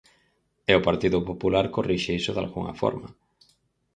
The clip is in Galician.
E o Partido Popular corrixe iso dalgunha forma.